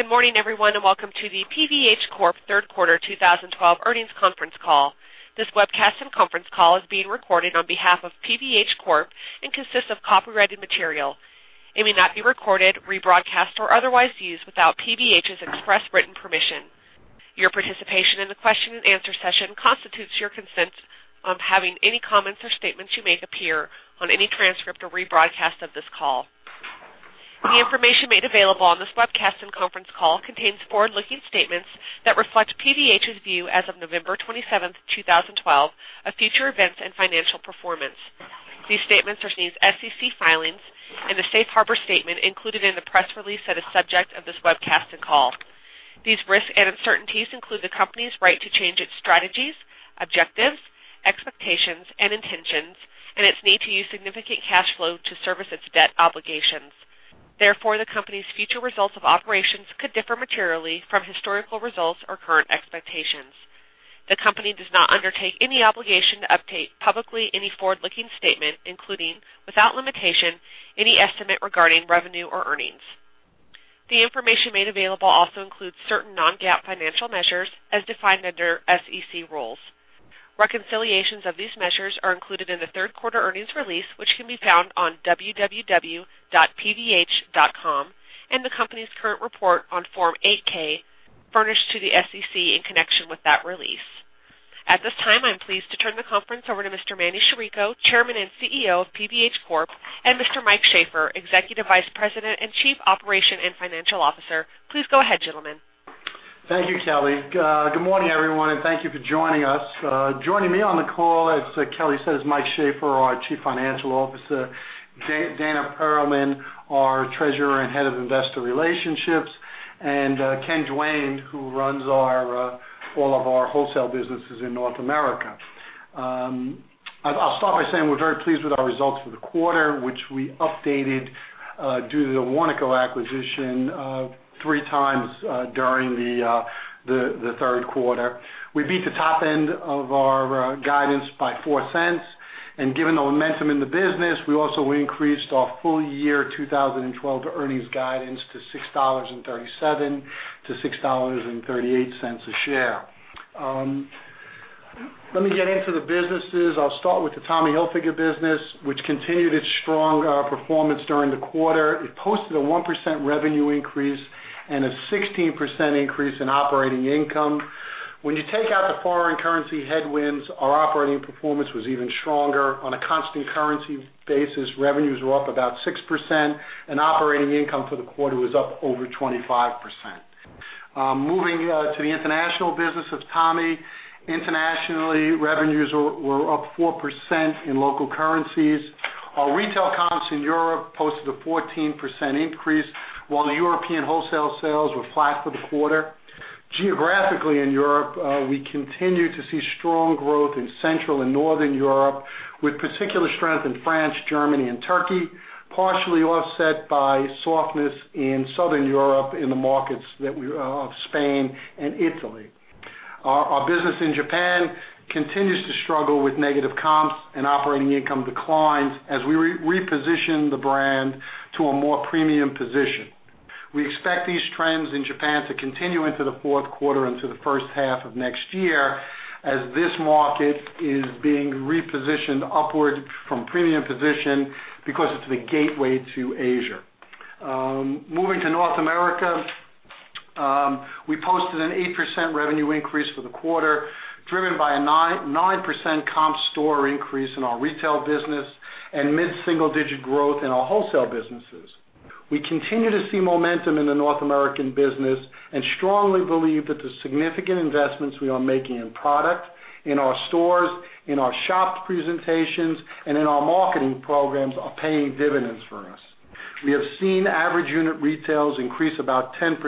Good morning, everyone, and welcome to the PVH Corp. Third Quarter 2012 Earnings Conference Call. This webcast and conference call is being recorded on behalf of PVH Corp. and consists of copyrighted material. It may not be recorded, rebroadcast, or otherwise used without PVH's express written permission. Your participation in the question and answer session constitutes your consent on having any comments or statements you make appear on any transcript or rebroadcast of this call. The information made available on this webcast and conference call contains forward-looking statements that reflect PVH's view as of November 27th, 2012, of future events and financial performance. These statements are in SEC filings and the safe harbor statement included in the press release that is subject of this webcast and call. These risks and uncertainties include the company's right to change its strategies, objectives, expectations, and intentions, and its need to use significant cash flow to service its debt obligations. The company's future results of operations could differ materially from historical results or current expectations. The company does not undertake any obligation to update publicly any forward-looking statement, including, without limitation, any estimate regarding revenue or earnings. The information made available also includes certain non-GAAP financial measures as defined under SEC rules. Reconciliations of these measures are included in the third quarter earnings release, which can be found on www.pvh.com, and the company's current report on Form 8-K furnished to the SEC in connection with that release. At this time, I'm pleased to turn the conference over to Mr. Emanuel Chirico, Chairman and Chief Executive Officer of PVH Corp., and Mr. Michael Shaffer, Executive Vice President and Chief Operating and Financial Officer. Please go ahead, gentlemen. Thank you, Kelly. Good morning, everyone, and thank you for joining us. Joining me on the call, as Kelly said, is Mike Shaffer, our Chief Financial Officer, Dana Perlman, our Treasurer and Head of Investor Relationships, and Ken Duane, who runs all of our wholesale businesses in North America. I'll start by saying we're very pleased with our results for the quarter, which we updated due to the Warnaco acquisition three times during the third quarter. We beat the top end of our guidance by $0.04, and given the momentum in the business, we also increased our full year 2012 earnings guidance to $6.37-$6.38 a share. Let me get into the businesses. I'll start with the Tommy Hilfiger business, which continued its strong performance during the quarter. It posted a 1% revenue increase and a 16% increase in operating income. When you take out the foreign currency headwinds, our operating performance was even stronger. On a constant currency basis, revenues were up about 6%, and operating income for the quarter was up over 25%. Moving to the international business of Tommy. Internationally, revenues were up 4% in local currencies. Our retail comps in Europe posted a 14% increase, while the European wholesale sales were flat for the quarter. Geographically in Europe, we continue to see strong growth in Central and Northern Europe, with particular strength in France, Germany, and Turkey, partially offset by softness in Southern Europe in the markets of Spain and Italy. Our business in Japan continues to struggle with negative comps and operating income declines as we reposition the brand to a more premium position. We expect these trends in Japan to continue into the fourth quarter into the first half of next year as this market is being repositioned upward from premium position because it's the gateway to Asia. Moving to North America. We posted an 8% revenue increase for the quarter, driven by a 9% comp store increase in our retail business and mid-single-digit growth in our wholesale businesses. We continue to see momentum in the North American business and strongly believe that the significant investments we are making in product, in our stores, in our shop presentations, and in our marketing programs are paying dividends for us. We have seen average unit retails increase about 10%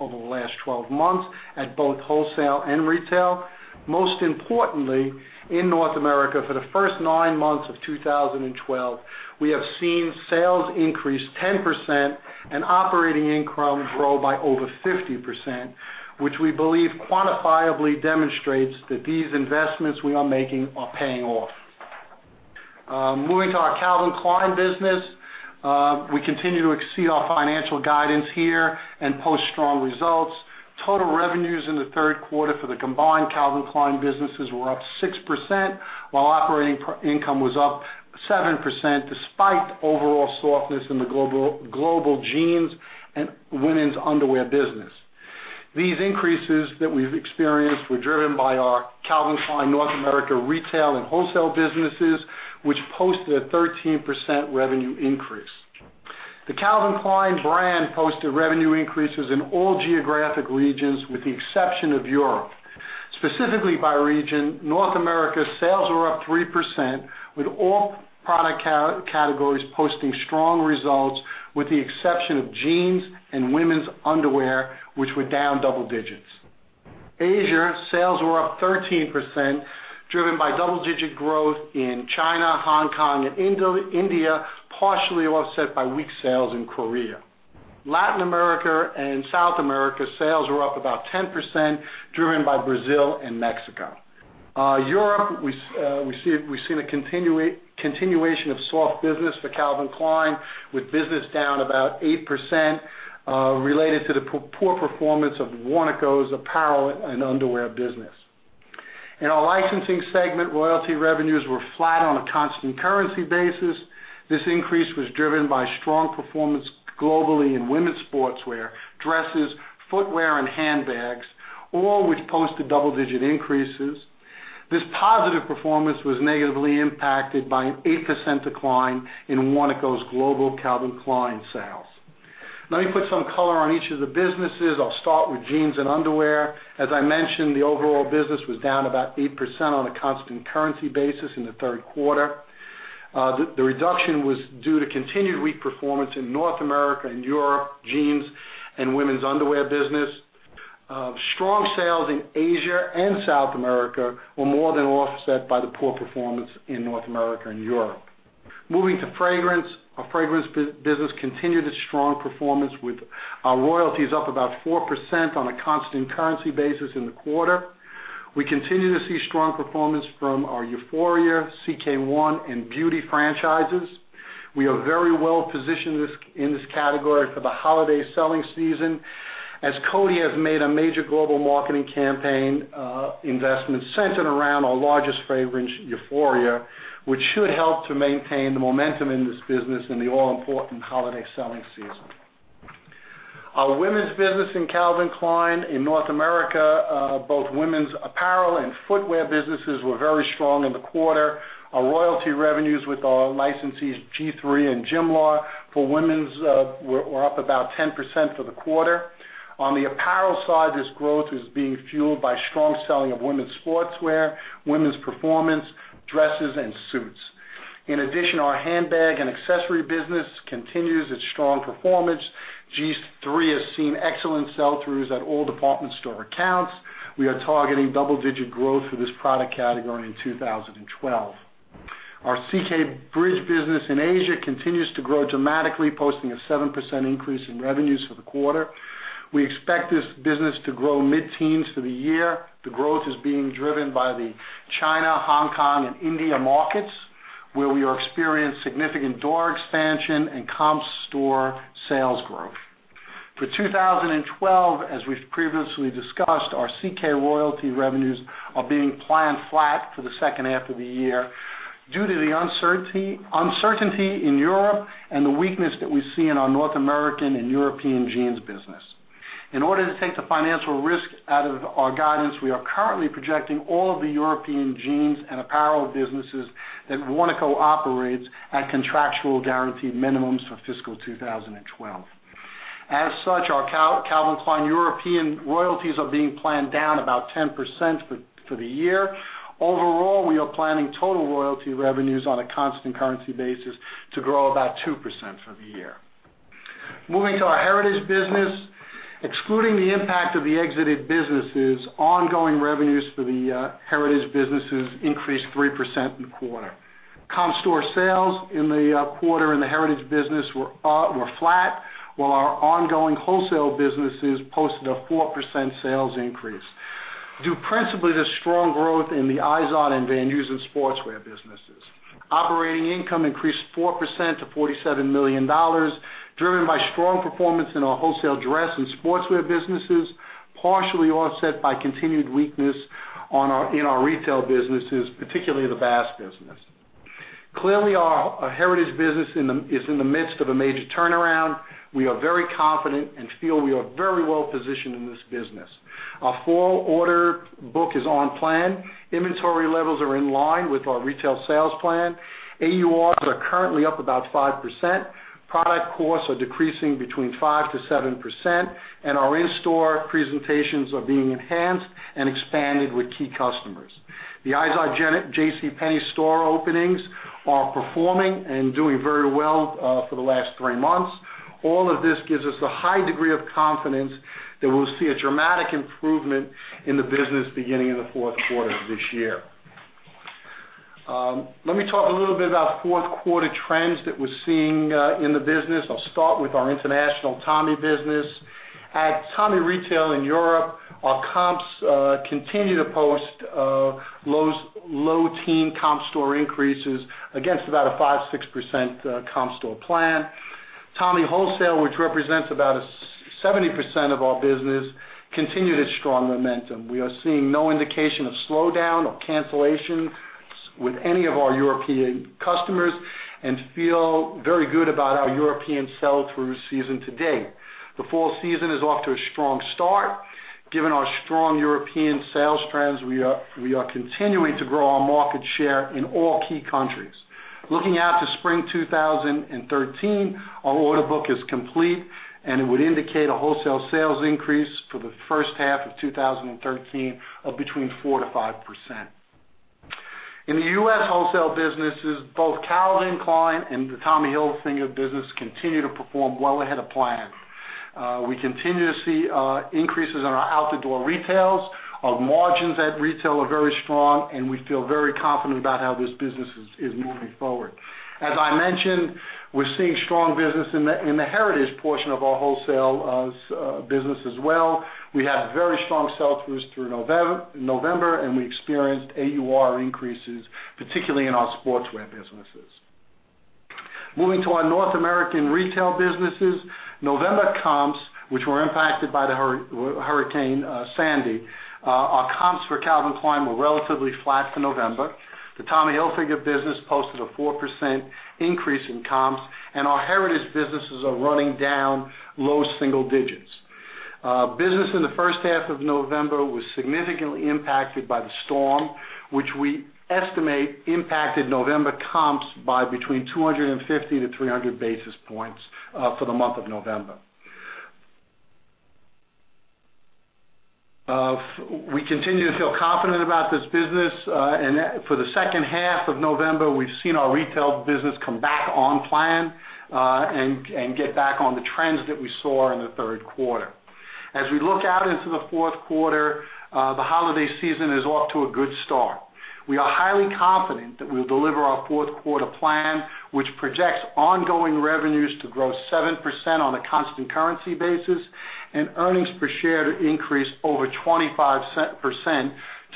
over the last 12 months at both wholesale and retail. Most importantly, in North America, for the first nine months of 2012, we have seen sales increase 10% and operating income grow by over 50%, which we believe quantifiably demonstrates that these investments we are making are paying off. Moving to our Calvin Klein business. We continue to exceed our financial guidance here and post strong results. Total revenues in the third quarter for the combined Calvin Klein businesses were up 6%, while operating income was up 7%, despite overall softness in the global jeans and women's underwear business. These increases that we've experienced were driven by our Calvin Klein North America retail and wholesale businesses, which posted a 13% revenue increase. The Calvin Klein brand posted revenue increases in all geographic regions, with the exception of Europe. Specifically by region, North America sales were up 3%, with all product categories posting strong results, with the exception of jeans and women's underwear, which were down double digits. Asia sales were up 13%, driven by double-digit growth in China, Hong Kong, and India, partially offset by weak sales in Korea. Latin America and South America sales were up about 10%, driven by Brazil and Mexico. Europe, we've seen a continuation of soft business for Calvin Klein, with business down about 8%, related to the poor performance of Warnaco's apparel and underwear business. In our licensing segment, royalty revenues were flat on a constant currency basis. This increase was driven by strong performance globally in women's sportswear, dresses, footwear, and handbags, all which posted double-digit increases. This positive performance was negatively impacted by an 8% decline in Warnaco's global Calvin Klein sales. Let me put some color on each of the businesses. I'll start with jeans and underwear. As I mentioned, the overall business was down about 8% on a constant currency basis in the third quarter. The reduction was due to continued weak performance in North America and Europe jeans and women's underwear business. Strong sales in Asia and South America were more than offset by the poor performance in North America and Europe. Moving to fragrance. Our fragrance business continued its strong performance with our royalties up about 4% on a constant currency basis in the quarter. We continue to see strong performance from our Euphoria, CK One, and Beauty franchises. We are very well positioned in this category for the holiday selling season, as Coty has made a major global marketing campaign investment centered around our largest fragrance, Euphoria, which should help to maintain the momentum in this business in the all-important holiday selling season. Our women's business in Calvin Klein in North America, both women's apparel and footwear businesses were very strong in the quarter. Our royalty revenues with our licensees G-III and Jimlar for women's were up about 10% for the quarter. On the apparel side, this growth is being fueled by strong selling of women's sportswear, women's performance, dresses, and suits. In addition, our handbag and accessory business continues its strong performance. G-III has seen excellent sell-throughs at all department store accounts. We are targeting double-digit growth for this product category in 2012. Our CK Bridge business in Asia continues to grow dramatically, posting a 7% increase in revenues for the quarter. We expect this business to grow mid-teens for the year. The growth is being driven by the China, Hong Kong, and India markets, where we are experiencing significant door expansion and comp store sales growth. For 2012, as we've previously discussed, our CK royalty revenues are being planned flat for the second half of the year due to the uncertainty in Europe and the weakness that we see in our North American and European jeans business. In order to take the financial risk out of our guidance, we are currently projecting all of the European jeans and apparel businesses that Warnaco operates at contractual guaranteed minimums for fiscal 2012. As such, our Calvin Klein European royalties are being planned down about 10% for the year. Overall, we are planning total royalty revenues on a constant currency basis to grow about 2% for the year. Moving to our Heritage business. Excluding the impact of the exited businesses, ongoing revenues for the Heritage businesses increased 3% in the quarter. Comp store sales in the quarter in the Heritage business were flat, while our ongoing wholesale businesses posted a 4% sales increase, due principally to strong growth in the Izod and Van Heusen sportswear businesses. Operating income increased 4% to $47 million, driven by strong performance in our wholesale dress and sportswear businesses, partially offset by continued weakness in our retail businesses, particularly the Bass business. Clearly, our Heritage business is in the midst of a major turnaround. We are very confident and feel we are very well positioned in this business. Our fall order book is on plan. Inventory levels are in line with our retail sales plan. AURs are currently up about 5%. Product costs are decreasing between 5%-7%, and our in-store presentations are being enhanced and expanded with key customers. The Izod J.C. Penney store openings are performing and doing very well for the last three months. All of this gives us a high degree of confidence that we'll see a dramatic improvement in the business beginning in the fourth quarter of this year. Let me talk a little bit about fourth quarter trends that we're seeing in the business. I'll start with our international Tommy business. At Tommy retail in Europe, our comps continue to post low teen comp store increases against about a 5%-6% comp store plan. Tommy wholesale, which represents about 70% of our business, continued its strong momentum. We are seeing no indication of slowdown or cancellation with any of our European customers and feel very good about our European sell-through season to date. The fall season is off to a strong start. Given our strong European sales trends, we are continuing to grow our market share in all key countries. Looking out to spring 2013, our order book is complete, and it would indicate a wholesale sales increase for the first half of 2013 of between 4%-5%. In the U.S. wholesale businesses, both Calvin Klein and the Tommy Hilfiger business continue to perform well ahead of plan. We continue to see increases in our out-the-door retails. Our margins at retail are very strong, and we feel very confident about how this business is moving forward. As I mentioned, we're seeing strong business in the Heritage portion of our wholesale business as well. We had very strong sell-throughs through November, and we experienced AUR increases, particularly in our sportswear businesses. Moving to our North American retail businesses. November comps, which were impacted by Hurricane Sandy, our comps for Calvin Klein were relatively flat for November. The Tommy Hilfiger business posted a 4% increase in comps, and our Heritage businesses are running down low single digits. Business in the first half of November was significantly impacted by the storm, which we estimate impacted November comps by between 250-300 basis points for the month of November. We continue to feel confident about this business. For the second half of November, we've seen our retail business come back on plan, and get back on the trends that we saw in the third quarter. As we look out into the fourth quarter, the holiday season is off to a good start. We are highly confident that we'll deliver our fourth-quarter plan, which projects ongoing revenues to grow 7% on a constant currency basis, and earnings per share to increase over 25%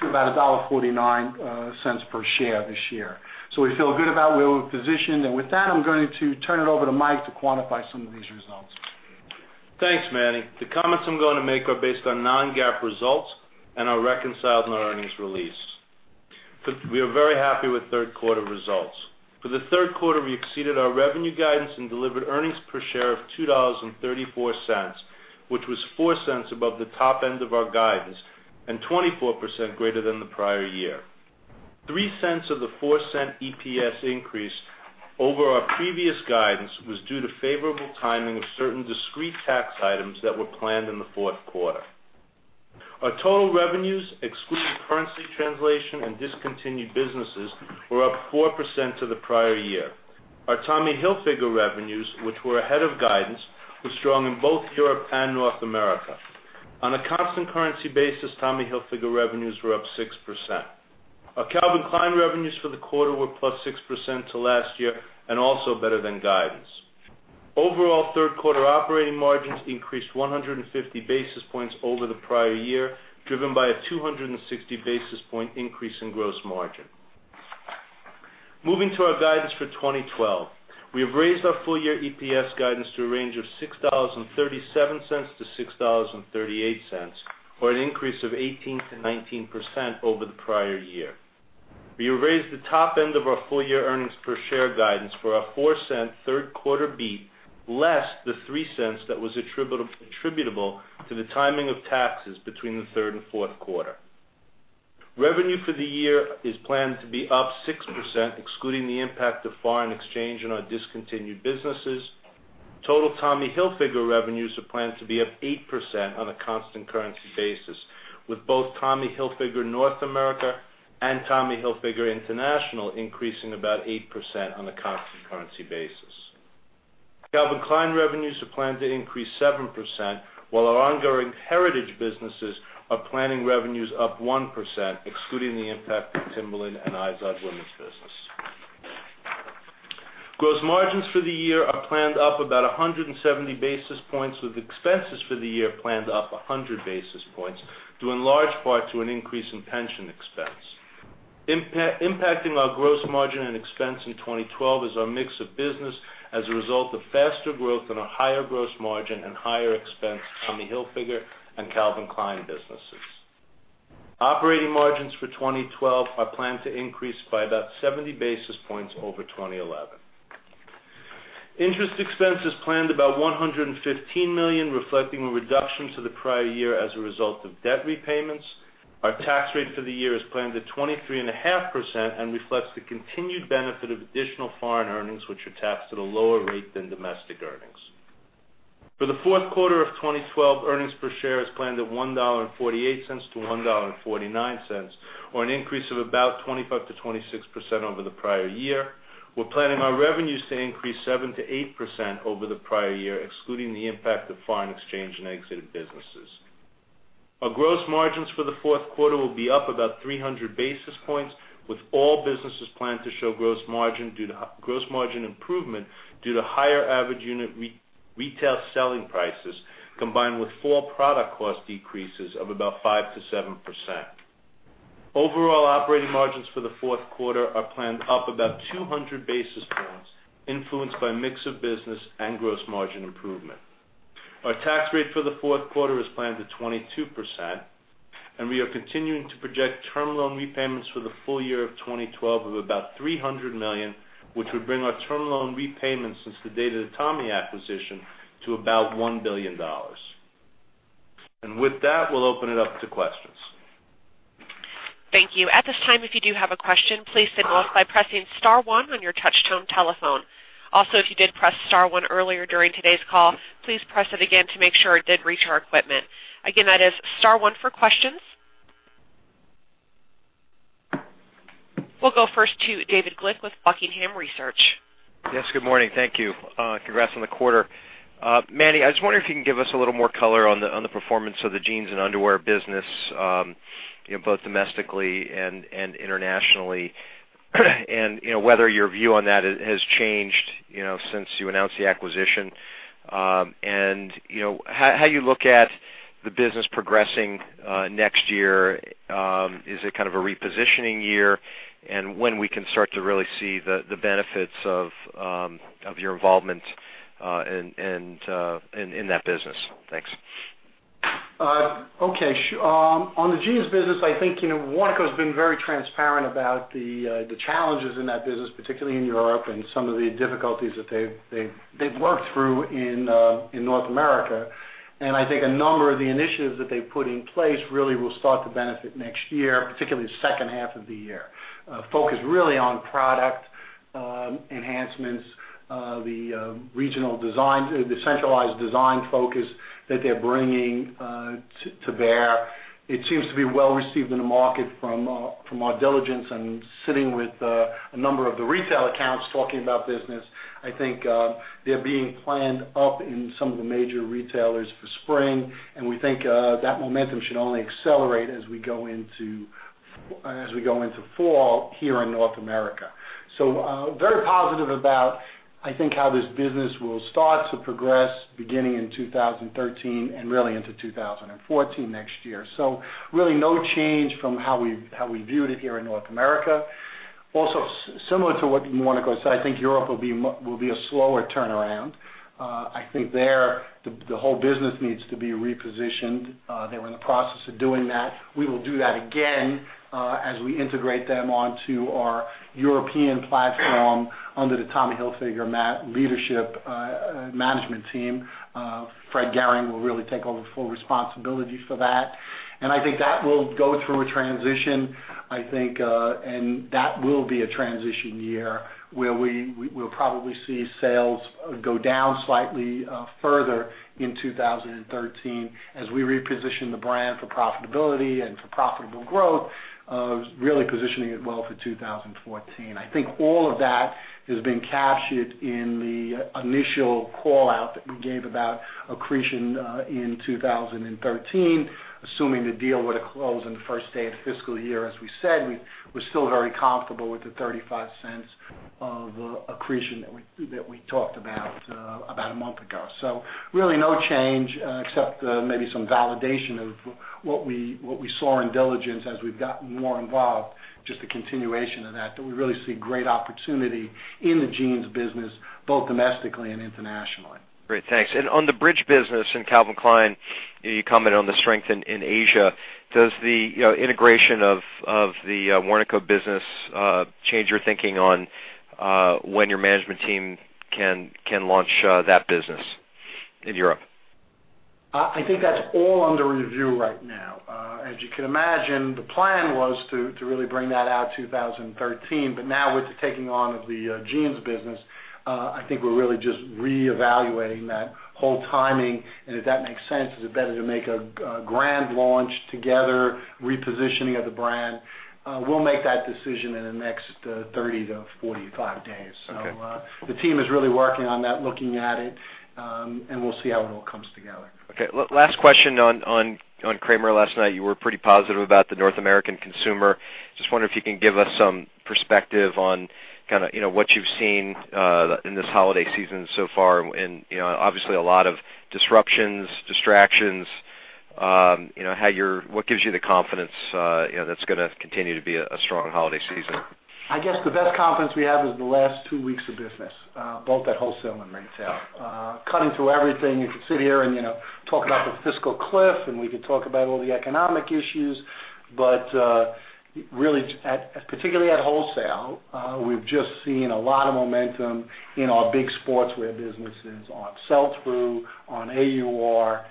to about $1.49 per share this year. We feel good about where we're positioned. With that, I'm going to turn it over to Mike to quantify some of these results. Thanks, Manny. The comments I'm going to make are based on non-GAAP results and are reconciled in our earnings release. We are very happy with third-quarter results. For the third quarter, we exceeded our revenue guidance and delivered earnings per share of $2.34, which was $0.04 above the top end of our guidance and 24% greater than the prior year. $0.03 of the $0.04 EPS increase over our previous guidance was due to favorable timing of certain discrete tax items that were planned in the fourth quarter. Our total revenues, excluding currency translation and discontinued businesses, were up 4% to the prior year. Our Tommy Hilfiger revenues, which were ahead of guidance, were strong in both Europe and North America. On a constant currency basis, Tommy Hilfiger revenues were up 6%. Our Calvin Klein revenues for the quarter were plus 6% to last year and also better than guidance. Overall, third-quarter operating margins increased 150 basis points over the prior year, driven by a 260 basis point increase in gross margin. Moving to our guidance for 2012. We have raised our full-year EPS guidance to a range of $6.37-$6.38, or an increase of 18%-19% over the prior year. We have raised the top end of our full-year earnings per share guidance for our $0.04 third quarter beat, less the $0.03 that was attributable to the timing of taxes between the third and fourth quarter. Revenue for the year is planned to be up 6%, excluding the impact of foreign exchange on our discontinued businesses. Total Tommy Hilfiger revenues are planned to be up 8% on a constant currency basis, with both Tommy Hilfiger North America and Tommy Hilfiger International increasing about 8% on a constant currency basis. Calvin Klein revenues are planned to increase 7%, while our ongoing Heritage businesses are planning revenues up 1%, excluding the impact of Timberland and IZOD women's business. Gross margins for the year are planned up about 170 basis points, with expenses for the year planned up 100 basis points, due in large part to an increase in pension expense. Impacting our gross margin and expense in 2012 is our mix of business as a result of faster growth in our higher gross margin and higher expense Tommy Hilfiger and Calvin Klein businesses. Operating margins for 2012 are planned to increase by about 70 basis points over 2011. Interest expense is planned about $115 million, reflecting a reduction to the prior year as a result of debt repayments. Our tax rate for the year is planned at 23.5% and reflects the continued benefit of additional foreign earnings, which are taxed at a lower rate than domestic earnings. For the fourth quarter of 2012, earnings per share is planned at $1.48-$1.49, or an increase of about 25%-26% over the prior year. We're planning our revenues to increase 7%-8% over the prior year, excluding the impact of foreign exchange and exited businesses. Our gross margins for the fourth quarter will be up about 300 basis points, with all businesses planned to show gross margin improvement due to higher average unit retail selling prices, combined with full product cost decreases of about 5%-7%. Overall operating margins for the fourth quarter are planned up about 200 basis points, influenced by mix of business and gross margin improvement. Our tax rate for the fourth quarter is planned at 22%, we are continuing to project term loan repayments for the full year of 2012 of about $300 million, which would bring our term loan repayments since the date of the Tommy acquisition to about $1 billion. With that, we'll open it up to questions. Thank you. At this time, if you do have a question, please signal us by pressing *1 on your touch-tone telephone. Also, if you did press *1 earlier during today's call, please press it again to make sure it did reach our equipment. Again, that is *1 for questions. We'll go first to David Glick with Buckingham Research. Yes, good morning. Thank you. Congrats on the quarter. Manny, I just wonder if you can give us a little more color on the performance of the jeans and underwear business, both domestically and internationally, and whether your view on that has changed since you announced the acquisition. How you look at the business progressing next year. Is it a repositioning year? When we can start to really see the benefits of your involvement in that business? Thanks. Okay. On the jeans business, I think Warnaco has been very transparent about the challenges in that business, particularly in Europe and some of the difficulties that they've worked through in North America. I think a number of the initiatives that they've put in place really will start to benefit next year, particularly the second half of the year. Focus really on product enhancements, the regional design, the centralized design focus that they're bringing to bear. It seems to be well-received in the market from our diligence and sitting with a number of the retail accounts talking about business. I think they're being planned up in some of the major retailers for spring, and we think that momentum should only accelerate as we go into fall here in North America. Very positive about, I think, how this business will start to progress beginning in 2013 and really into 2014 next year. Really no change from how we viewed it here in North America. Also, similar to what Warnaco said, I think Europe will be a slower turnaround. I think there, the whole business needs to be repositioned. They were in the process of doing that. We will do that again, as we integrate them onto our European platform under the Tommy Hilfiger management team. Fred Gehring will really take over full responsibility for that. I think that will go through a transition, I think, and that will be a transition year where we'll probably see sales go down slightly further in 2013 as we reposition the brand for profitability and for profitable growth, really positioning it well for 2014. I think all of that has been captured in the initial call-out that we gave about accretion in 2013, assuming the deal were to close on the first day of the fiscal year, as we said. We're still very comfortable with the $0.35 of accretion that we talked about a month ago. Really no change except maybe some validation of what we saw in diligence as we've gotten more involved, just a continuation of that we really see great opportunity in the jeans business, both domestically and internationally. Great, thanks. On the bridge business in Calvin Klein, you comment on the strength in Asia. Does the integration of the Warnaco business change your thinking on when your management team can launch that business in Europe? I think that's all under review right now. As you can imagine, the plan was to really bring that out 2013. Now with the taking on of the jeans business, I think we're really just reevaluating that whole timing, and if that makes sense. Is it better to make a grand launch together, repositioning of the brand? We'll make that decision in the next 30 to 45 days. Okay. The team is really working on that, looking at it. We'll see how it all comes together. Okay. Last question. On Cramer last night, you were pretty positive about the North American consumer. I just wonder if you can give us some perspective on what you've seen in this holiday season so far. Obviously, a lot of disruptions, distractions. What gives you the confidence that's going to continue to be a strong holiday season? I guess the best confidence we have is the last two weeks of business, both at wholesale and retail. Cutting through everything, you could sit here and talk about the fiscal cliff. We could talk about all the economic issues. Really, particularly at wholesale, we've just seen a lot of momentum in our big sportswear businesses on sell-through, on AUR.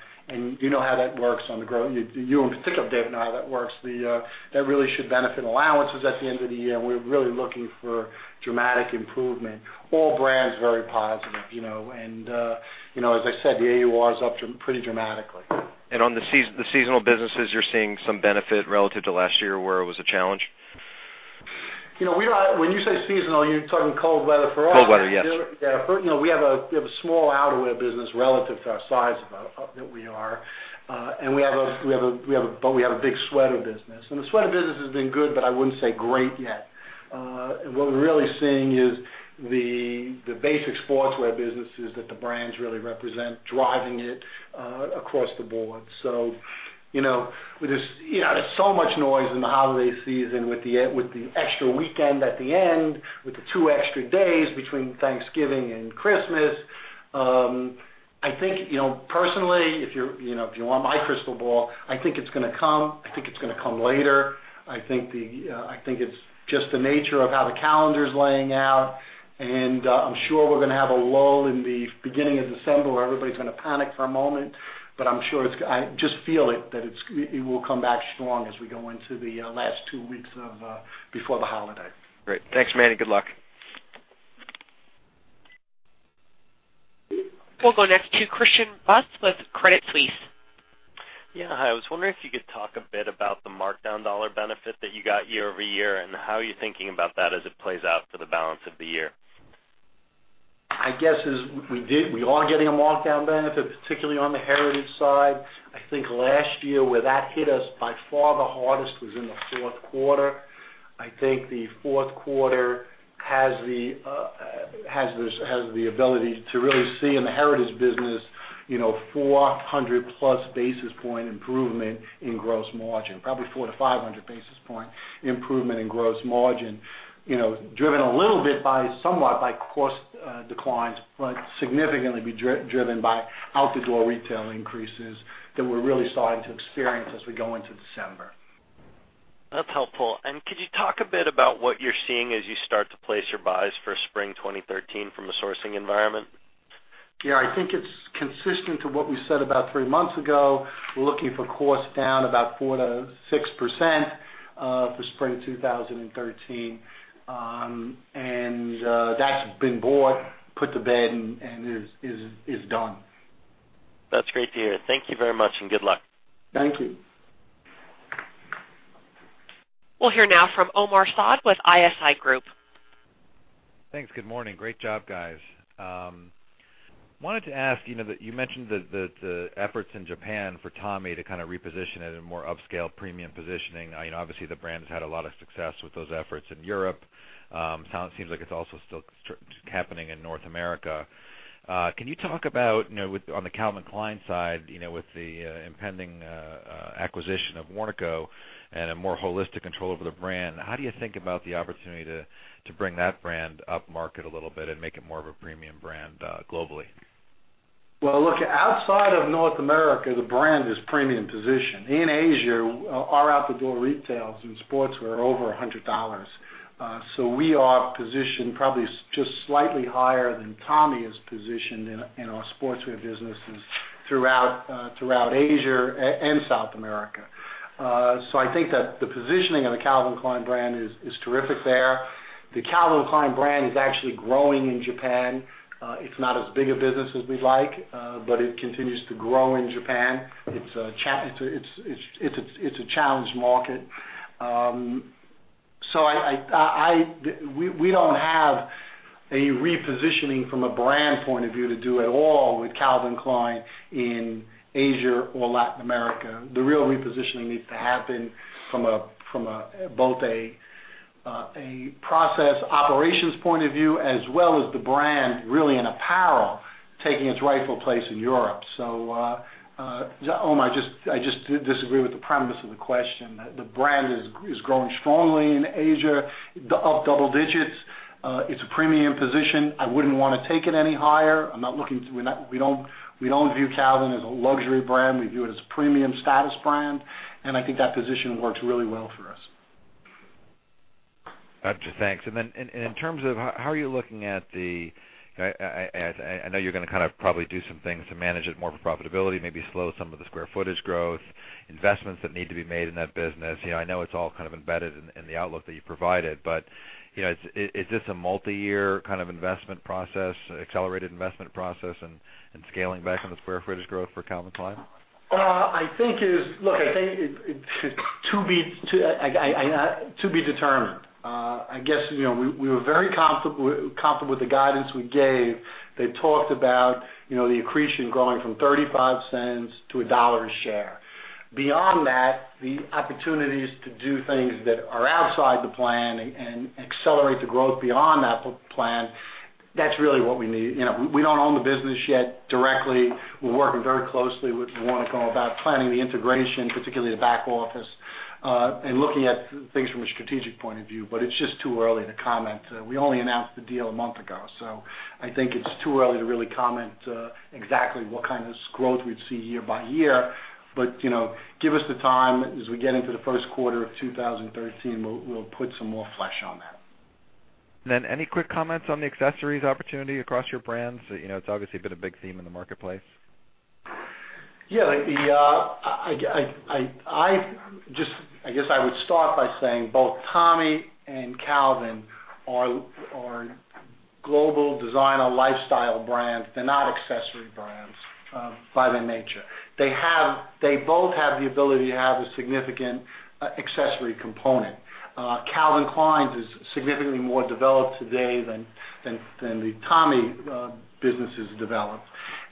You know how that works on the ground. You in particular, Dave, know how that works. That really should benefit allowances at the end of the year. We're really looking for dramatic improvement. All brands, very positive. As I said, the AUR is up pretty dramatically. On the seasonal businesses, you're seeing some benefit relative to last year where it was a challenge? When you say seasonal, you're talking cold weather for us. Cold weather, yes. We have a small outerwear business relative to our size that we are. We have a big sweater business, and the sweater business has been good, but I wouldn't say great yet. What we're really seeing is the basic sportswear businesses that the brands really represent driving it across the board. There's so much noise in the holiday season with the extra weekend at the end, with the two extra days between Thanksgiving and Christmas. I think, personally, if you want my crystal ball, I think it's going to come. I think it's going to come later. I think it's just the nature of how the calendar's laying out, and I'm sure we're going to have a lull in the beginning of December where everybody's going to panic for a moment, but I just feel it, that it will come back strong as we go into the last two weeks before the holiday. Great. Thanks, Manny. Good luck. We'll go next to Christian Buss with Credit Suisse. Yeah. Hi. I was wondering if you could talk a bit about the markdown dollar benefit that you got year-over-year, and how you're thinking about that as it plays out for the balance of the year. I guess we are getting a markdown benefit, particularly on the Heritage side. Last year, where that hit us by far the hardest was in the fourth quarter. The fourth quarter has the ability to really see in the heritage business, 400-plus basis point improvement in gross margin. Probably four to 500 basis point improvement in gross margin, driven a little bit by, somewhat by cost declines, but significantly be driven by out-the-door retail increases that we're really starting to experience as we go into December. That's helpful. Could you talk a bit about what you're seeing as you start to place your buys for Spring 2013 from a sourcing environment? Yeah. It's consistent to what we said about three months ago. We're looking for costs down about 4% to 6% for Spring 2013. That's been bought, put to bed, and is done. That's great to hear. Thank you very much, and good luck. Thank you. We'll hear now from Omar Saad with ISI Group. Thanks. Good morning. Great job, guys. Wanted to ask, you mentioned the efforts in Japan for Tommy to kind of reposition at a more upscale premium positioning. Obviously, the brand has had a lot of success with those efforts in Europe. Now it seems like it's also still happening in North America. Can you talk about on the Calvin Klein side, with the impending acquisition of Warnaco and a more holistic control over the brand, how do you think about the opportunity to bring that brand upmarket a little bit and make it more of a premium brand globally? Well, look, outside of North America, the brand is premium positioned. In Asia, our out-the-door retails and sports wear over $100. We are positioned probably just slightly higher than Tommy is positioned in our sportswear businesses throughout Asia and South America. I think that the positioning of the Calvin Klein brand is terrific there. The Calvin Klein brand is actually growing in Japan. It's not as big a business as we'd like, but it continues to grow in Japan. It's a challenged market. We don't have a repositioning from a brand point of view to do at all with Calvin Klein in Asia or Latin America. The real repositioning needs to happen from both a process operations point of view as well as the brand really in apparel, taking its rightful place in Europe. Omar, I just disagree with the premise of the question. The brand is growing strongly in Asia, up double digits. It's a premium position. I wouldn't want to take it any higher. We don't view Calvin as a luxury brand. We view it as a premium status brand, and I think that position works really well for us. Gotcha. Thanks. Then in terms of how are you looking at I know you're going to probably do some things to manage it more for profitability, maybe slow some of the square footage growth, investments that need to be made in that business. I know it's all kind of embedded in the outlook that you provided, but is this a multi-year kind of investment process, accelerated investment process, and scaling back on the square footage growth for Calvin Klein? Look, I think to be determined. I guess, we were very comfortable with the guidance we gave. They talked about the accretion growing from $0.35 to $1 a share. Beyond that, the opportunities to do things that are outside the plan and accelerate the growth beyond that plan, that's really what we need. We don't own the business yet directly. We're working very closely with Warnaco about planning the integration, particularly the back office, and looking at things from a strategic point of view. It's just too early to comment. We only announced the deal one month ago, so I think it's too early to really comment exactly what kind of growth we'd see year by year. Give us the time as we get into the first quarter of 2013, we'll put some more flesh on that. Any quick comments on the accessories opportunity across your brands? It's obviously been a big theme in the marketplace. Yeah. I guess I would start by saying both Tommy and Calvin are global designer lifestyle brands. They're not accessory brands by their nature. They both have the ability to have a significant accessory component. Calvin Klein's is significantly more developed today than the Tommy business is developed.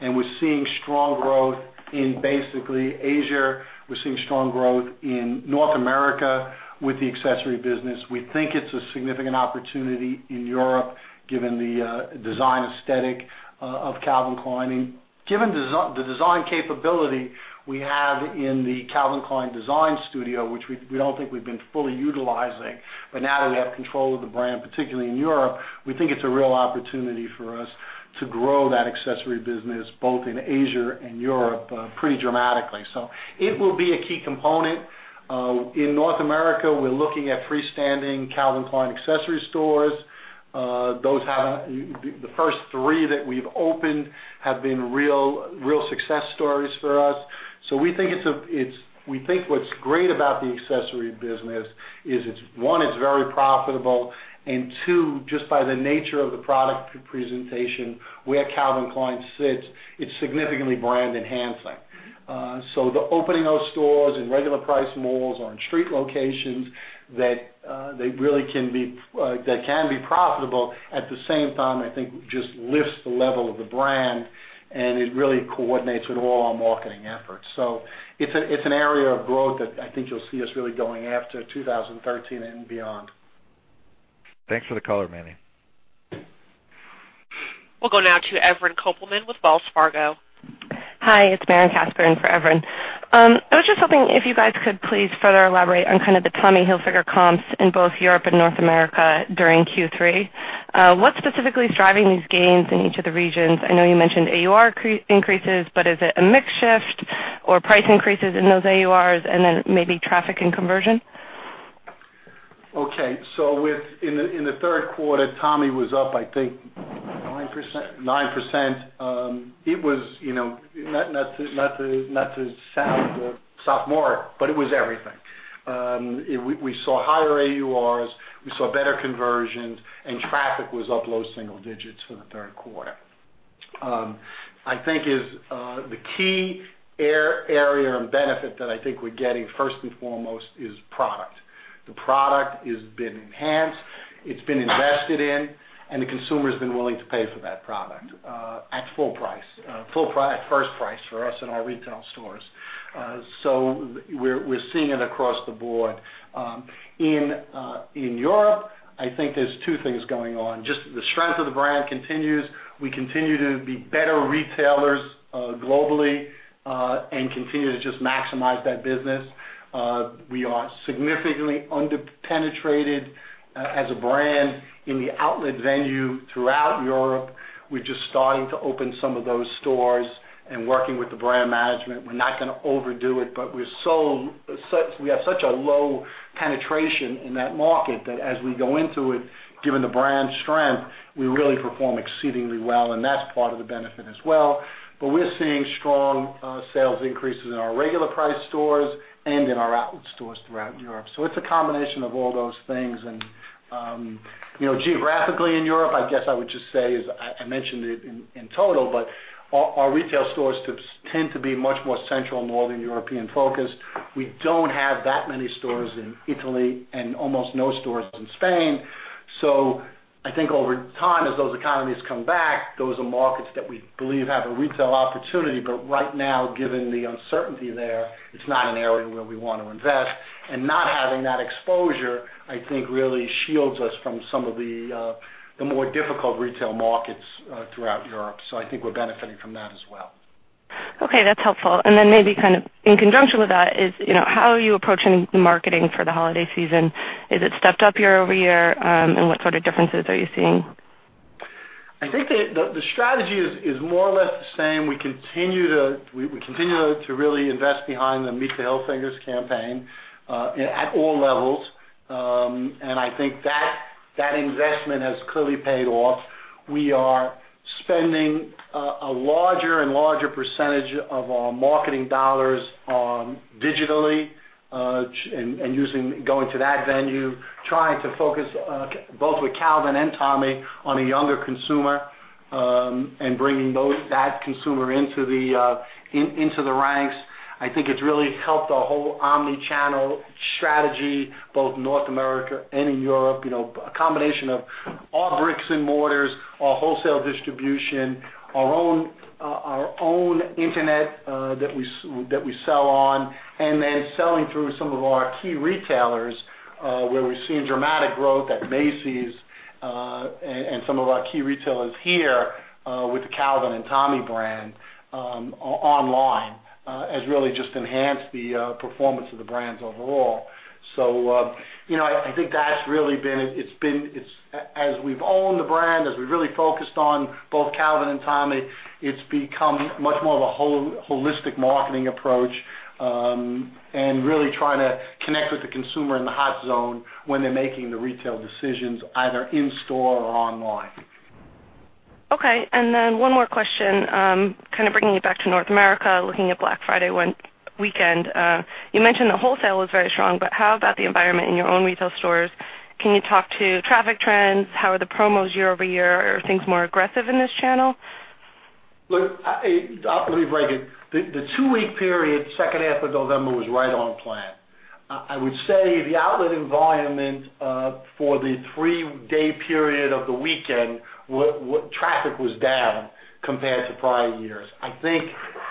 We're seeing strong growth in basically Asia. We're seeing strong growth in North America with the accessory business. We think it's a significant opportunity in Europe given the design aesthetic of Calvin Klein. Given the design capability we have in the Calvin Klein design studio, which we don't think we've been fully utilizing, but now that we have control of the brand, particularly in Europe, we think it's a real opportunity for us to grow that accessory business both in Asia and Europe pretty dramatically. It will be a key component. In North America, we're looking at freestanding Calvin Klein accessory stores. The first three that we've opened have been real success stories for us. We think what's great about the accessory business is, one, it's very profitable, and two, just by the nature of the product presentation, where Calvin Klein sits, it's significantly brand enhancing. The opening of those stores in regular price malls or in street locations that can be profitable at the same time, I think, just lifts the level of the brand, and it really coordinates with all our marketing efforts. It's an area of growth that I think you'll see us really going after 2013 and beyond. Thanks for the color, Manny. We'll go now to Evren Kopelman with Wells Fargo. Hi, it's Maren Kasper in for Evren. I was just hoping if you guys could please further elaborate on kind of the Tommy Hilfiger comps in both Europe and North America during Q3. What specifically is driving these gains in each of the regions? I know you mentioned AUR increases, but is it a mix shift or price increases in those AURs and then maybe traffic and conversion? Okay. In the third quarter, Tommy was up. 9% 9%. Not to sound sophomoric, it was everything. We saw higher AURs, we saw better conversions, and traffic was up low single digits for the third quarter. I think the key area and benefit that we're getting, first and foremost, is product. The product has been enhanced, it's been invested in, and the consumer's been willing to pay for that product at full price. At first price for us in our retail stores. We're seeing it across the board. In Europe, I think there's two things going on. Just the strength of the brand continues. We continue to be better retailers globally, and continue to just maximize that business. We are significantly under-penetrated as a brand in the outlet venue throughout Europe. We're just starting to open some of those stores and working with the brand management. We're not going to overdo it, we have such a low penetration in that market that as we go into it, given the brand strength, we really perform exceedingly well, and that's part of the benefit as well. We're seeing strong sales increases in our regular price stores and in our outlet stores throughout Europe. It's a combination of all those things. Geographically in Europe, I guess I would just say, as I mentioned it in total, our retail stores tend to be much more Central and Northern European focused. We don't have that many stores in Italy and almost no stores in Spain. I think over time, as those economies come back, those are markets that we believe have a retail opportunity. Right now, given the uncertainty there, it's not an area where we want to invest. Not having that exposure, I think, really shields us from some of the more difficult retail markets throughout Europe. I think we're benefiting from that as well. Okay, that's helpful. Then maybe kind of in conjunction with that is, how are you approaching the marketing for the holiday season? Is it stepped up year-over-year? What sort of differences are you seeing? I think that the strategy is more or less the same. We continue to really invest behind the Meet the Hilfigers campaign, at all levels. I think that investment has clearly paid off. We are spending a larger and larger percentage of our marketing dollars digitally, and going to that venue. Trying to focus both with Calvin and Tommy on a younger consumer, and bringing that consumer into the ranks. I think it's really helped our whole omni-channel strategy, both North America and in Europe. A combination of our bricks and mortars, our wholesale distribution, our own internet that we sell on, and then selling through some of our key retailers where we're seeing dramatic growth at Macy's. Some of our key retailers here with the Calvin and Tommy brand online, has really just enhanced the performance of the brands overall. I think as we've owned the brand, as we've really focused on both Calvin and Tommy, it's become much more of a holistic marketing approach. Really trying to connect with the consumer in the hot zone when they're making the retail decisions, either in store or online. Okay, one more question, kind of bringing it back to North America, looking at Black Friday weekend. You mentioned the wholesale was very strong, but how about the environment in your own retail stores? Can you talk to traffic trends? How are the promos year-over-year? Are things more aggressive in this channel? Look, let me break it. The two-week period, second half of November was right on plan. I would say the outlet environment for the three-day period of the weekend, traffic was down compared to prior years. I think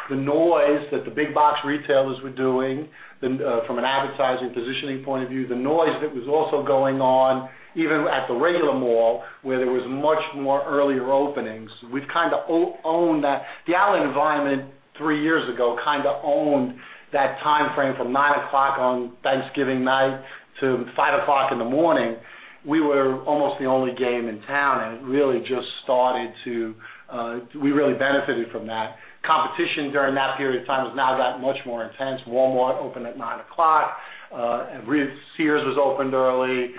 the noise that the big box retailers were doing from an advertising positioning point of view, the noise that was also going on even at the regular mall where there was much more earlier openings. The outlet environment three years ago kind of owned that timeframe from nine o'clock on Thanksgiving night to five o'clock in the morning. We were almost the only game in town, and we really benefited from that. Competition during that period of time has now gotten much more intense. Walmart opened at nine o'clock. Sears was opened early.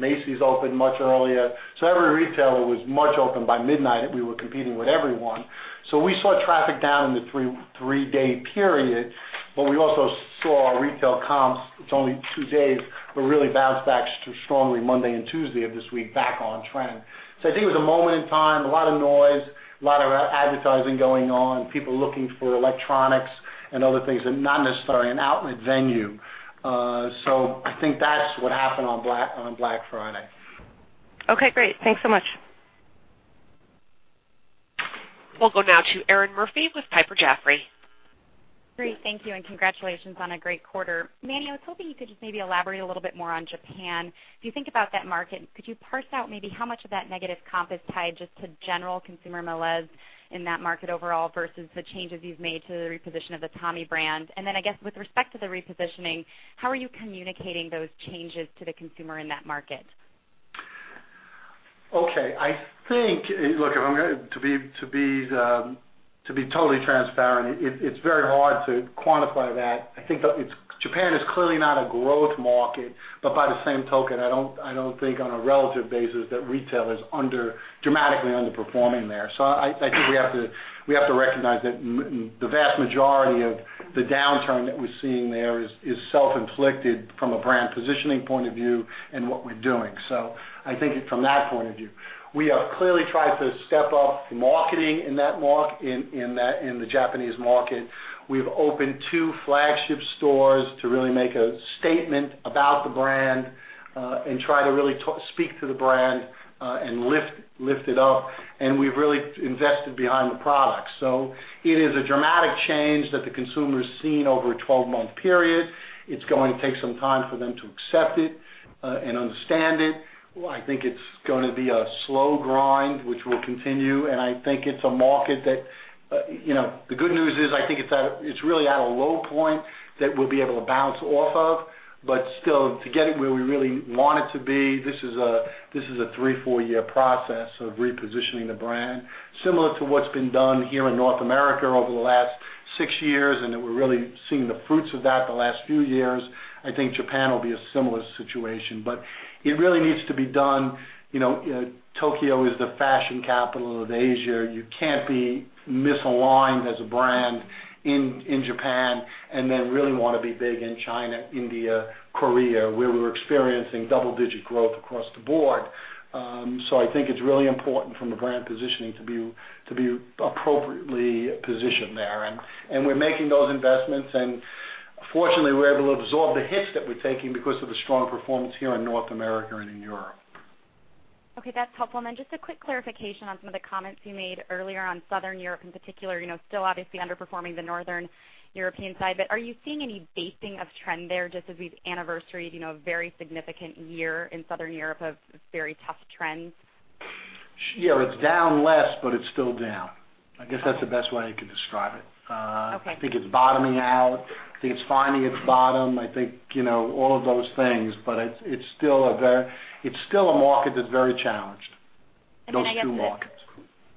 Macy's opened much earlier. Every retailer was much open by midnight, and we were competing with everyone. We saw traffic down in the three-day period, but we also saw our retail comps, it's only two days, but really bounced back strongly Monday and Tuesday of this week back on trend. I think it was a moment in time, a lot of noise, a lot of advertising going on, people looking for electronics and other things, and not necessarily an outlet venue. I think that's what happened on Black Friday. Okay, great. Thanks so much. We'll go now to Erinn Murphy with Piper Jaffray. Great. Thank you, and congratulations on a great quarter. Manny, I was hoping you could just maybe elaborate a little bit more on Japan. As you think about that market, could you parse out maybe how much of that negative comp is tied just to general consumer malaise in that market overall versus the changes you've made to the reposition of the Tommy brand? I guess, with respect to the repositioning, how are you communicating those changes to the consumer in that market? Okay. Look, to be totally transparent, it's very hard to quantify that. I think Japan is clearly not a growth market. By the same token, I don't think on a relative basis that retail is dramatically underperforming there. I think we have to recognize that the vast majority of the downturn that we're seeing there is self-inflicted from a brand positioning point of view and what we're doing. I think it's from that point of view. We are clearly trying to step up marketing in the Japanese market. We've opened two flagship stores to really make a statement about the brand, and try to really speak to the brand, and lift it up. We've really invested behind the product. It is a dramatic change that the consumer's seen over a 12-month period. It's going to take some time for them to accept it, and understand it. I think it's going to be a slow grind, which will continue, and I think it's a market that the good news is, I think it's really at a low point that we'll be able to bounce off of. Still, to get it where we really want it to be, this is a three, four-year process of repositioning the brand. Similar to what's been done here in North America over the last six years, and that we're really seeing the fruits of that the last few years. I think Japan will be a similar situation, but it really needs to be done. Tokyo is the fashion capital of Asia. You can't be misaligned as a brand in Japan and then really want to be big in China, India, Korea, where we're experiencing double-digit growth across the board. I think it's really important from a brand positioning to be appropriately positioned there. We're making those investments, and fortunately, we're able to absorb the hits that we're taking because of the strong performance here in North America and in Europe. Okay. That's helpful. Just a quick clarification on some of the comments you made earlier on Southern Europe in particular. Still obviously underperforming the Northern European side, but are you seeing any basing of trend there just as we've anniversaried a very significant year in Southern Europe of very tough trends? Yeah, it's down less, but it's still down. I guess that's the best way I could describe it. Okay. I think it's bottoming out. I think it's finding its bottom. I think all of those things, it's still a market that's very challenged. Those two markets.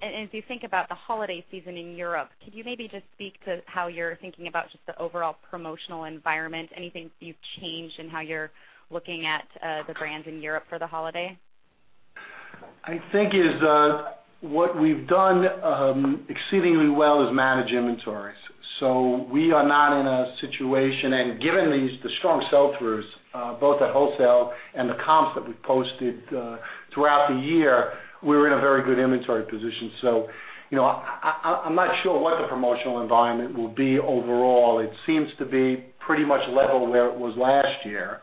As you think about the holiday season in Europe, could you maybe just speak to how you're thinking about just the overall promotional environment? Anything you've changed in how you're looking at the brands in Europe for the holiday? I think what we've done exceedingly well is manage inventories. We are not in a situation, and given the strong sell-throughs, both at wholesale and the comps that we've posted throughout the year, we're in a very good inventory position. I'm not sure what the promotional environment will be overall. It seems to be pretty much level where it was last year.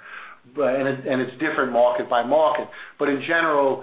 It's different market by market. In general,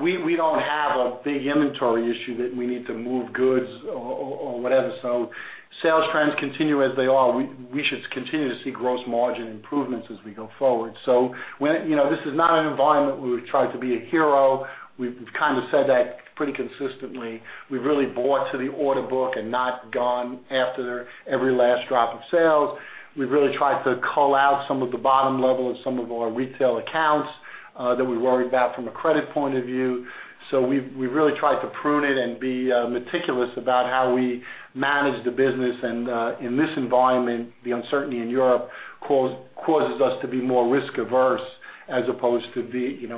we don't have a big inventory issue that we need to move goods or whatever. Sales trends continue as they are. We should continue to see gross margin improvements as we go forward. This is not an environment where we've tried to be a hero. We've kind of said that pretty consistently. We've really bought to the order book and not gone after every last drop of sales. We've really tried to cull out some of the bottom level of some of our retail accounts that we worried about from a credit point of view. We've really tried to prune it and be meticulous about how we manage the business. In this environment, the uncertainty in Europe causes us to be more risk averse as opposed to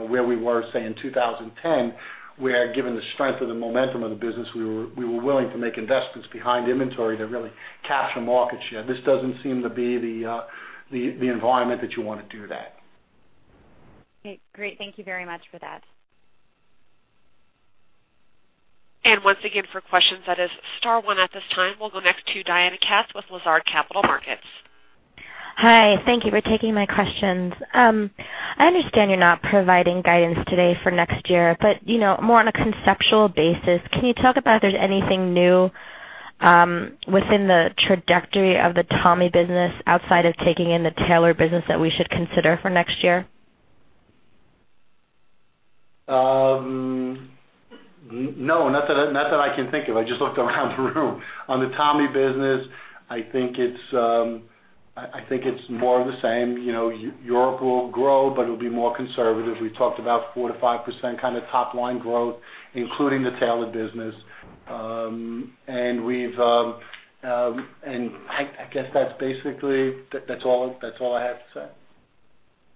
where we were, say, in 2010. Where given the strength of the momentum of the business, we were willing to make investments behind inventory to really capture market share. This doesn't seem to be the environment that you want to do that. Okay. Great. Thank you very much for that. Once again, for questions, that is star one at this time. We'll go next to Diana Katz with Lazard Capital Markets. Hi. Thank you for taking my questions. I understand you're not providing guidance today for next year, but more on a conceptual basis, can you talk about if there's anything new within the trajectory of the Tommy business outside of taking in the tailored business that we should consider for next year? No, not that I can think of. I just looked around the room. On the Tommy business, I think it's more of the same. Europe will grow, but it'll be more conservative. We talked about 4%-5% kind of top-line growth, including the tailored business. I guess that's all I have to say.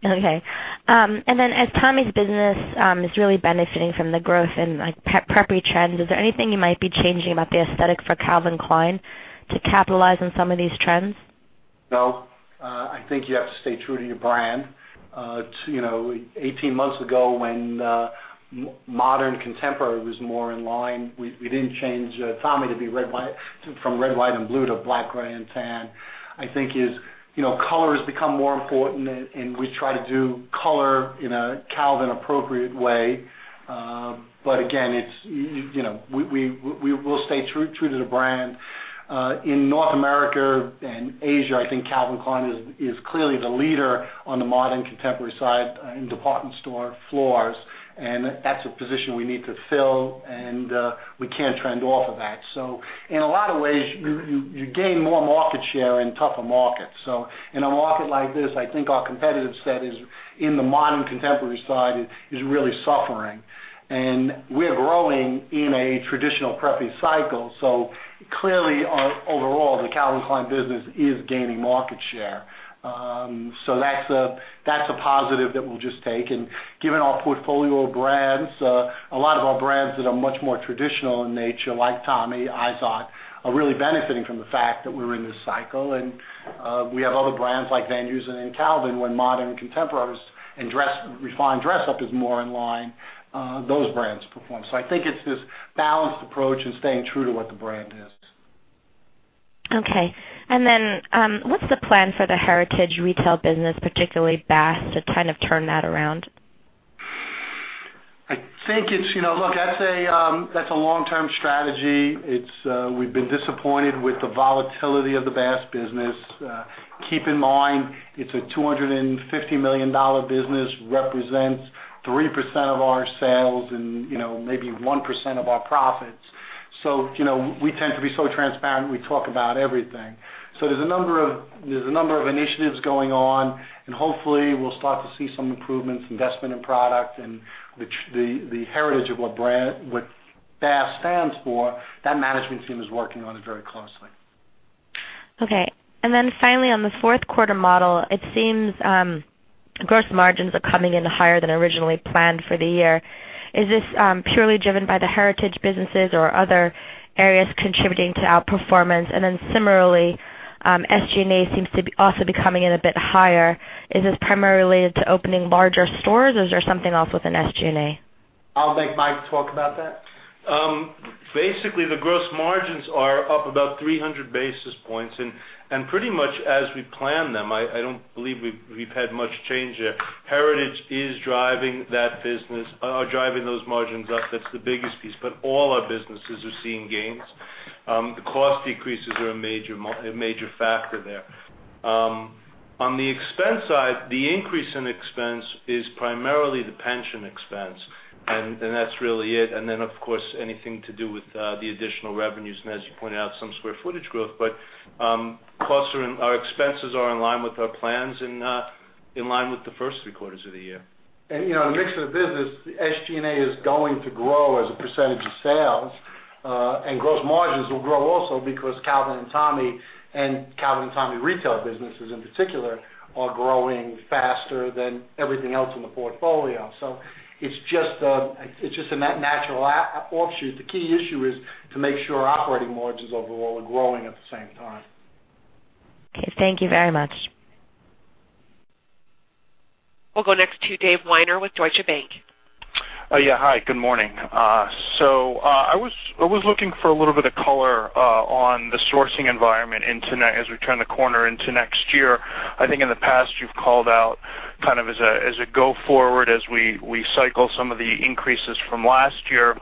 Okay. As Tommy's business is really benefiting from the growth in preppy trends, is there anything you might be changing about the aesthetic for Calvin Klein to capitalize on some of these trends? No. I think you have to stay true to your brand. 18 months ago, when modern contemporary was more in line, we didn't change Tommy from red, white, and blue to black, gray, and tan. I think color has become more important, and we try to do color in a Calvin appropriate way. Again, we'll stay true to the brand. In North America and Asia, I think Calvin Klein is clearly the leader on the modern contemporary side in department store floors, and that's a position we need to fill, and we can't trend off of that. In a lot of ways, you gain more market share in tougher markets. In a market like this, I think our competitive set in the modern contemporary side is really suffering. We're growing in a traditional preppy cycle. Clearly, overall, the Calvin Klein business is gaining market share. That's a positive that we'll just take. Given our portfolio of brands, a lot of our brands that are much more traditional in nature, like Tommy, Izod, are really benefiting from the fact that we're in this cycle. We have other brands like Van Heusen and Calvin, when modern contemporaries and refined dress-up is more in line, those brands perform. I think it's this balanced approach and staying true to what the brand is. Okay. Then, what's the plan for the heritage retail business, particularly Bass, to kind of turn that around? Look, that's a long-term strategy. We've been disappointed with the volatility of the Bass business. Keep in mind, it's a $250 million business, represents 3% of our sales and maybe 1% of our profits. We tend to be so transparent, we talk about everything. There's a number of initiatives going on, and hopefully we'll start to see some improvements, investment in product and the heritage of what Bass stands for. That management team is working on it very closely. Okay. Finally, on the fourth quarter model, it seems gross margins are coming in higher than originally planned for the year. Is this purely driven by the heritage businesses or are other areas contributing to outperformance? Similarly, SG&A seems to also be coming in a bit higher. Is this primarily related to opening larger stores, or is there something else with SG&A? I'll make Mike Schaffer talk about that. Basically, the gross margins are up about 300 basis points, pretty much as we planned them. I don't believe we've had much change there. Heritage is driving those margins up. That's the biggest piece. All our businesses are seeing gains. The cost decreases are a major factor there. On the expense side, the increase in expense is primarily the pension expense. That's really it. Of course, anything to do with the additional revenues, and as you pointed out, some square footage growth. Our expenses are in line with our plans and in line with the first three quarters of the year. The mix of the business, the SG&A is going to grow as a percentage of sales, and gross margins will grow also because Calvin and Tommy, and Calvin and Tommy retail businesses in particular, are growing faster than everything else in the portfolio. It's just a natural offshoot. The key issue is to make sure operating margins overall are growing at the same time. Okay. Thank you very much. We'll go next to David Weiner with Deutsche Bank. Hi, good morning. I was looking for a little bit of color on the sourcing environment as we turn the corner into next year. I think in the past, you've called out as a go forward, as we cycle some of the increases from last year,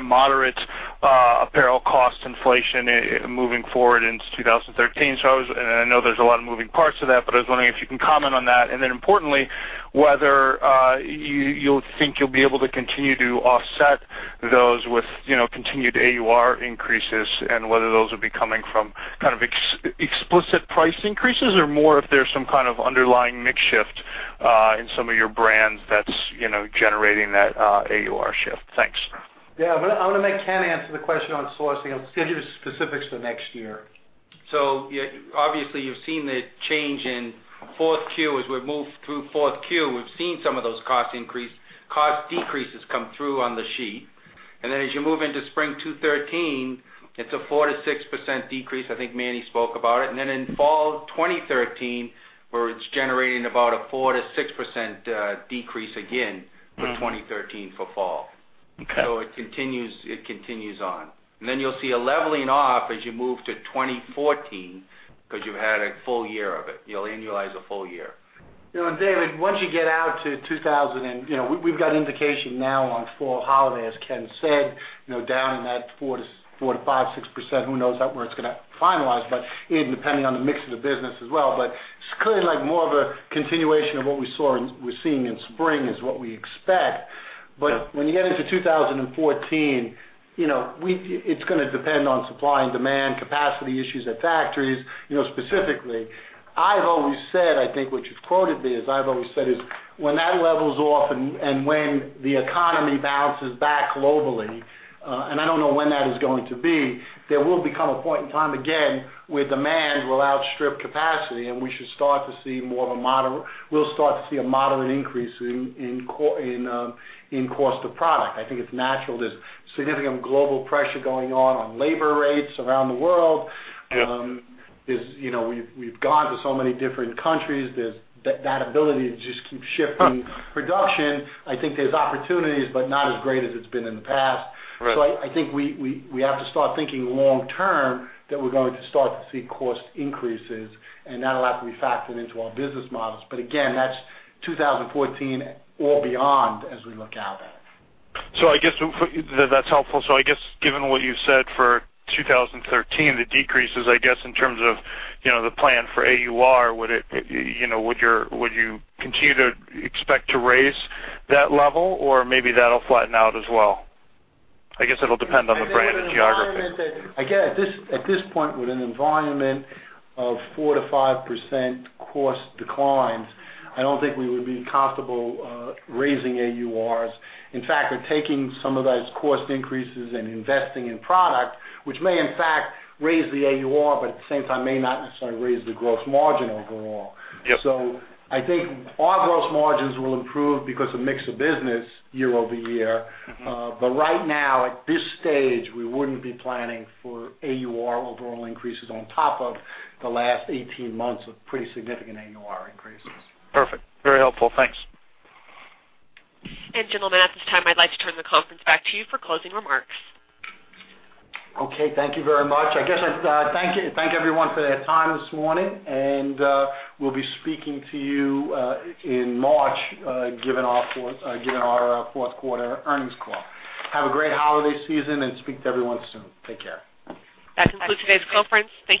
moderate apparel cost inflation moving forward into 2013. I know there's a lot of moving parts to that, but I was wondering if you can comment on that. Then importantly, whether you think you'll be able to continue to offset those with continued AUR increases and whether those will be coming from explicit price increases or more if there's some kind of underlying mix shift in some of your brands that's generating that AUR shift. Thanks. Yeah. I'm going to make Ken answer the question on sourcing. I'll give you specifics for next year. Obviously, you've seen the change in fourth Q. As we've moved through fourth Q, we've seen some of those cost decreases come through on the sheet. As you move into spring 2013, it's a 4%-6% decrease. I think Manny spoke about it. In fall 2013, where it's generating about a 4%-6% decrease again for 2013 for fall. Okay. It continues on. You'll see a leveling off as you move to 2014 because you've had a full year of it. You'll annualize a full year. David, once you get out to, we've got indication now on fall holiday, as Ken said, down in that 4% to 5%, 6%, who knows where it's going to finalize, depending on the mix of the business as well. It's clearly more of a continuation of what we saw and we're seeing in spring is what we expect. When you get into 2014, it's going to depend on supply and demand, capacity issues at factories. Specifically, I've always said, I think what you've quoted me as I've always said is, when that levels off and when the economy bounces back globally, and I don't know when that is going to be, there will become a point in time again where demand will outstrip capacity, and we'll start to see a moderate increase in cost of product. I think it's natural. There's significant global pressure going on on labor rates around the world. We've gone to so many different countries. There's that ability to just keep shifting production. I think there's opportunities, but not as great as it's been in the past. Right. I think we have to start thinking long term that we're going to start to see cost increases, and that'll have to be factored into our business models. Again, that's 2014 or beyond as we look out at it. I guess that's helpful. I guess given what you said for 2013, the decreases, I guess, in terms of the plan for AUR, would you continue to expect to raise that level? Maybe that'll flatten out as well? I guess it'll depend on the brand and geography. Again, at this point, with an environment of 4%-5% cost declines, I don't think we would be comfortable raising AURs. In fact, we're taking some of those cost increases and investing in product, which may, in fact, raise the AUR, but at the same time, may not necessarily raise the gross margin overall. Yep. I think our gross margins will improve because of mix of business year-over-year. Right now, at this stage, we wouldn't be planning for AUR overall increases on top of the last 18 months of pretty significant AUR increases. Perfect. Very helpful. Thanks. Gentlemen, at this time, I'd like to turn the conference back to you for closing remarks. Okay. Thank you very much. I thank everyone for their time this morning, and we'll be speaking to you in March, given our fourth quarter earnings call. Have a great holiday season and speak to everyone soon. Take care. That concludes today's conference. Thank you.